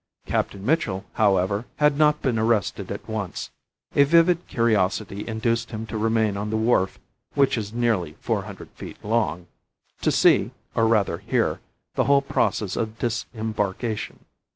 Captain Mitchell, however, had not been arrested at once; a vivid curiosity induced him to remain on the wharf (which is nearly four hundred feet long) to see, or rather hear, the whole process of disembarkation.